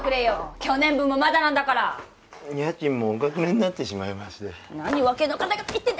去年分もまだなんだから家賃もおかくれになってしまいまして何わけの分かんないこと言ってんだ